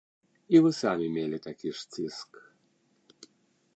І вы самі мелі такі ж ціск.